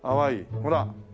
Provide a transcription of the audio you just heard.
ほら！